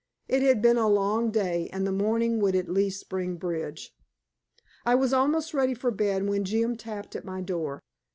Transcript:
It had been a long day, and the morning would at least bring bridge. I was almost ready for bed when Jim tapped at my door.